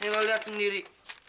nih lo lihat sendiri